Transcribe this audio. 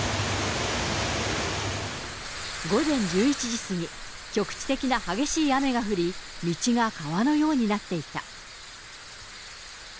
午前１１時過ぎ、局地的な激しい雨が降り、道が川のようになっていた。